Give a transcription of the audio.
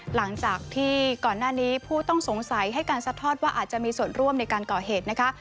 หลังจากที่ก่อนหน้านี้ผู้ต้องสงสัยให้การซัดทอดว่าอาจจะมีส่วนร่วมในการก่อเหตุนะคะ